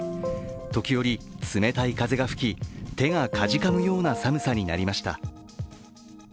時折、冷たい風が吹き手がかじかむような寒さになりました。